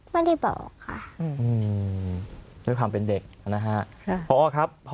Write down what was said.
ไม่ได้บอกค่ะ